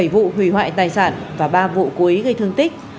bảy vụ hủy hoại tài sản và ba vụ cuối gây thương tích